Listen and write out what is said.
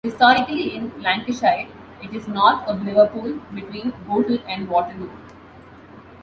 Historically in Lancashire, it is north of Liverpool, between Bootle and Waterloo.